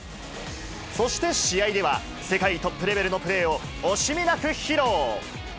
そして試合では、世界トップレベルのプレーを惜しみなく披露。